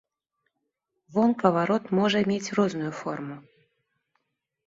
Вонкава рот можа мець розную форму.